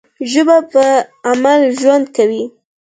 ژبه په عمل ژوند کوي.